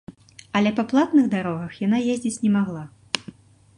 Але па платных дарогах яна ездзіць не магла.